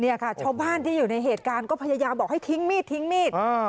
เนี่ยค่ะช้อพ่านที่อยู่ในเหตุการณ์ก็พยายามบอกทิ้งมีด